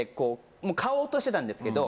もう飼おうとしてたんですけど。